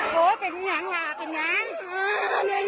มันมาใส่ไปแล้ว